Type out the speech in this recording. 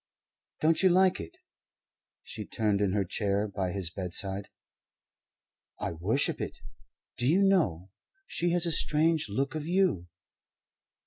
"Don't you like it?" She turned in her chair by his bedside. "I worship it. Do you know, she has a strange look of you?